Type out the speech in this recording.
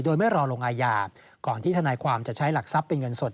โดยไม่รอลงอาญาก่อนที่ทนายความจะใช้หลักทรัพย์เป็นเงินสด